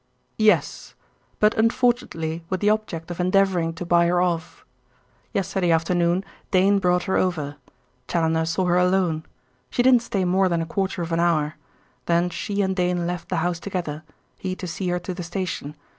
"Yes; but unfortunately with the object of endeavouring to buy her off. Yesterday afternoon Dane brought her over. Challoner saw her alone. She didn't stay more than a quarter of an hour. Then she and Dane left the house together, he to see her to the station.